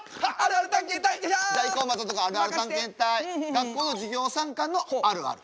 学校の授業参観のあるある。